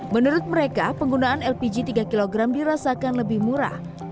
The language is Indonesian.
menurut mereka penggunaan lpg tiga kg dirasakan lebih murah